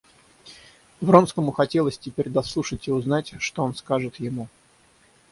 Вронскому хотелось теперь дослушать и узнать, что он скажет ему.